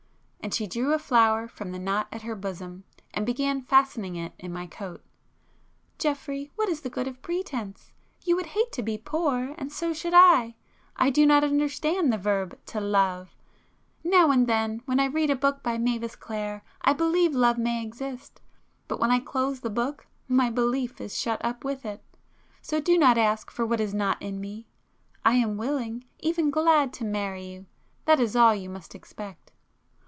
and she drew a flower from the knot at her bosom, and began fastening it in my coat—"Geoffrey what is the good of pretence? You would hate to be poor, and so should I. I do not understand the verb 'to love,'—now and then when I read a book by Mavis Clare, I believe love may exist, but when I close the book my belief is shut up with it. So do not ask for what is not in me. I am willing—even glad to marry you; that is all you must expect."